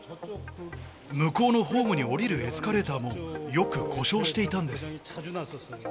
向こうのホームに降りるエスカレーターも、よく故障していたんです。